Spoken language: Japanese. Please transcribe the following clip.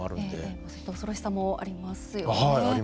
そういった恐ろしさもありますよね。